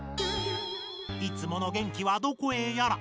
いつもの元気はどこへやら。